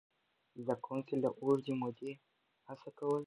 زده کوونکي له اوږدې مودې هڅه کوله.